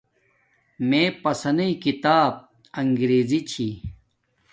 میے پسنݵ کتاب انکریزی چھی